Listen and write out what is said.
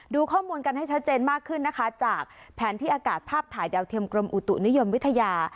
ดูข้อมูลกันให้ชัดเจนมากขึ้นนะคะจากแผนที่อากาศภาพถ่ายดาวเทียมกรมอุตุนิยมวิทยา